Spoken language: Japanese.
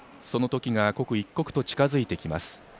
そのときが刻一刻と近づいてきます。